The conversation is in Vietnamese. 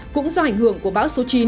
cũng do ảnh hưởng của báo số chín